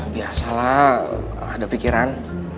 biasalah ada pikiran